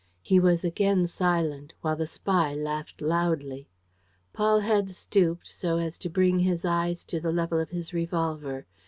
He was again silent while the spy laughed loudly. Paul had stooped, so as to bring his eyes to the level of his revolver.